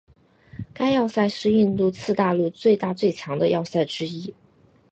该要塞是印度次大陆最大最强的要塞之一。